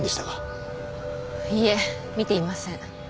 いいえ見ていません。